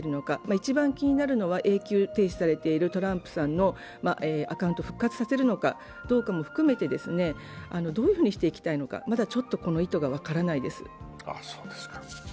一番気になるのは、永久停止されているトランプさんのアカウントを復活させるかどうかも含めてどういうふうにしていきたいのか、まだ意図が分からないです。